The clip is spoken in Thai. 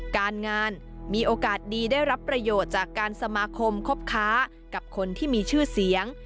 การงานมีโอกาสดีได้รับประโยชน์จากการสมาคมคบค้ากับคนที่มีชื่อเสียง